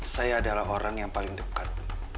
saya adalah orang yang paling dekat